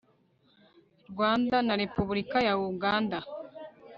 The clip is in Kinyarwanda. rwanda na repubulika ya uganda